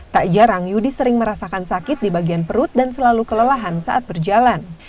tak jarang yudi sering merasakan sakit di bagian perut dan selalu kelelahan saat berjalan